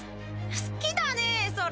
好きだねそれ。